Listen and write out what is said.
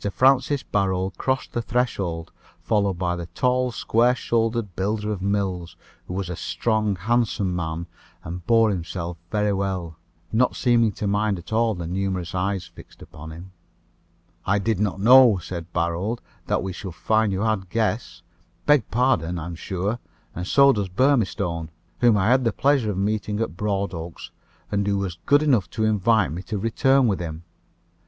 Francis Barold crossed the threshold, followed by the tall, square shouldered builder of mills, who was a strong, handsome man, and bore himself very well, not seeming to mind at all the numerous eyes fixed upon him. "I did not know," said Barold, "that we should find you had guests. Beg pardon, I'm sure, and so does Burmistone, whom I had the pleasure of meeting at Broadoaks, and who was good enough to invite me to return with him."